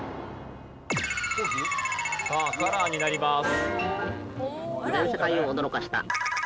さあカラーになります。